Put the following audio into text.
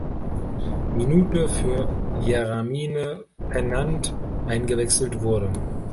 Minute für Jermaine Pennant eingewechselt wurde.